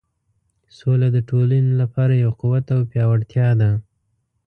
سوله د ټولنې لپاره یو قوت او پیاوړتیا ده.